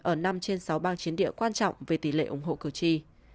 ở năm trên sáu bang chiến địa quan trọng về tỷ lệ ủng hộ cử tri